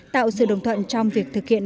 tạo sự đồng thuận trong việc thực hiện